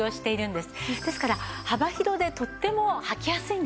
ですから幅広でとっても履きやすいんですね。